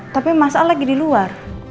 tapi mas al lagi di luar